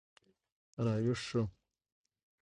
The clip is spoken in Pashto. راویښ شو